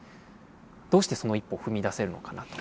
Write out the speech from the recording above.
どうしてその一歩を踏み出せるのかなと。